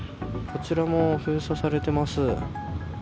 こちらも封鎖されてます。